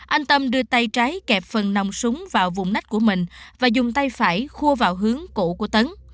anh tâm đưa tay trái kẹp phần nòng súng vào vùng nách của mình và dùng tay phải khua vào hướng cũ của tấn